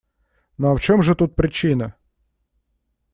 Ну а в чем же тут причина?